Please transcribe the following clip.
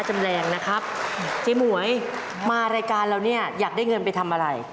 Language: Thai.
เจ๊หมวยมารายการเราอยากได้เงินไปทำอะไร